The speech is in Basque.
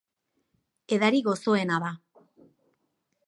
Edari gozoena da.